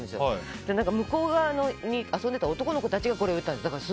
で、向こう側で遊んでた男の子たちがこれを言ったんです。